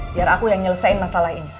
biar aku yang nyelesain masalah ini